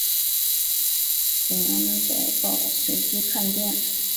梁耀宝随即叛变。